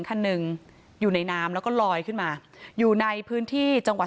คันหนึ่งอยู่ในน้ำแล้วก็ลอยขึ้นมาอยู่ในพื้นที่จังหวัด